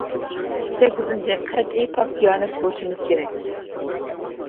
سەككىزىنچى، قەتئىي پاك- دىيانەتلىك بولۇشىمىز كېرەك.